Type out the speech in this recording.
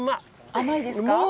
甘いですか？